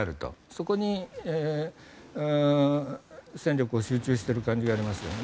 そこに戦力を集中している感じがありますよね。